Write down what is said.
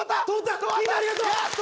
みんなありがとう！